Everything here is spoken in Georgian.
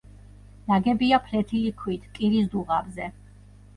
ნაგებია ფლეთილი ქვით კირის დუღაბზე.